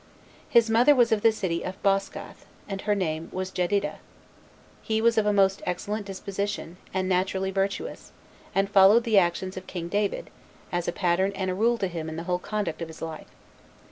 His mother was of the city of Boscath, and her name was Jedidah. He was of a most excellent disposition, and naturally virtuous, and followed the actions of king David, as a pattern and a rule to him in the whole conduct of his life.